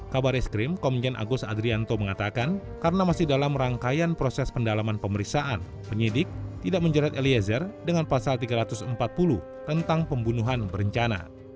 kabar eskrim komjen agus adrianto mengatakan karena masih dalam rangkaian proses pendalaman pemeriksaan penyidik tidak menjerat eliezer dengan pasal tiga ratus empat puluh tentang pembunuhan berencana